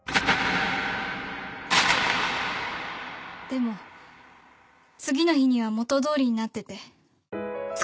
でも次の日には元どおりになってて。